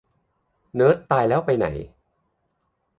เนิร์ดตายแล้วไปไหน ?